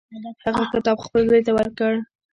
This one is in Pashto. هغه کتاب خپل زوی ته ورکړ.